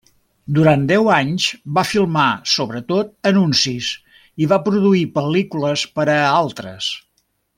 Durant deu anys va filmar sobretot anuncis i va produir pel·lícules per a altres.